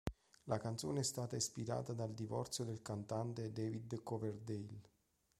La canzone è stata ispirata dal divorzio del cantante David Coverdale.